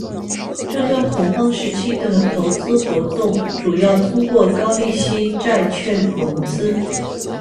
这段恐慌时期的投资活动主要通过高利息债券融资。